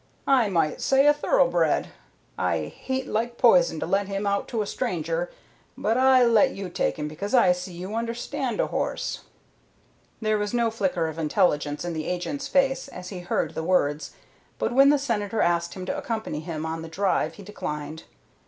"I might say a thoroughbred. I hate like poison to let him out to a stranger, but I let you take him because I see you understand a horse." There was no flicker of intelligence in the agent's face as he heard the words, but when the Senator asked him to accompany him on the drive he declined.